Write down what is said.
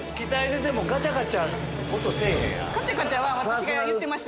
カチャカチャは私が言ってました。